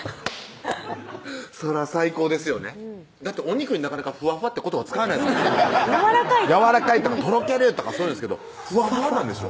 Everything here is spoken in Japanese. そら最高ですよねだってお肉になかなかふわふわって言葉を使わないですもんねやわらかいとかやわらかいとかとろけるとかふわふわなんでしょ？